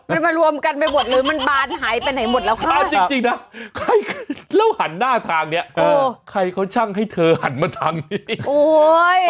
มันมารวมกันไปหมดหรือมันบานหายไปไหนหมดแล้วค่ะเอาจริงนะแล้วหันหน้าทางเนี้ยเออใครเขาช่างให้เธอหันมาทางนี้โอ้ย